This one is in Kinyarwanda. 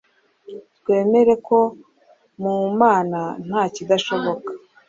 twemere ko mu Mana nta kidashoboka